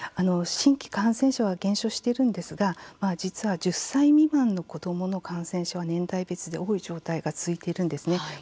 新規感染者は減少しているんですが実は１０歳未満の子どもの感染者は年代別で多い状態が続いているんですね。